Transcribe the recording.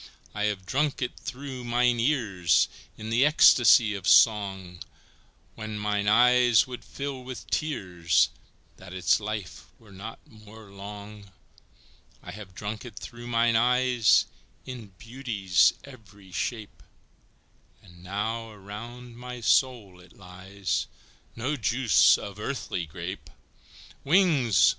I have drunk it through mine ears In the ecstasy of song, When mine eyes would fill with tears That its life were not more long; I have drunk it through mine eyes In beauty's every shape, And now around my soul it lies, No juice of earthly grape! Wings!